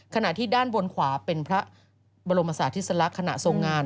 ขณะที่ด้านบนขวาเป็นพระบรมศาสติสลักษณ์ขณะทรงงาน